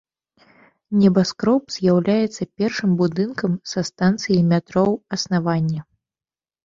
Небаскроб з'яўляецца першым будынкам са станцыяй метро ў аснаванні.